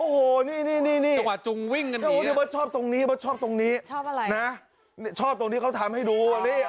โอ้โหนี่นี่ชอบตรงนี้ชอบตรงนี้ชอบอะไรชอบตรงนี้เขาทำให้ดู